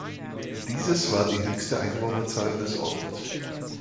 Dieses war die höchste Einwohnerzahl des Ortes.